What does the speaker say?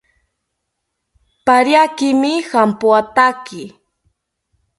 Pariakimi jampoathaki